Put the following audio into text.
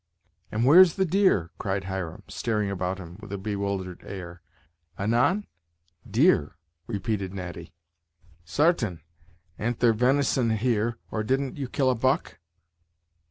"And where's the deer?" cried Hiram, staring about him with a bewildered air. "Anan? deer!" repeated Natty. "Sartain; an't there venison here, or didn't you kill a buck?"